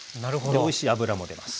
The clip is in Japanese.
おいしい脂も出ます。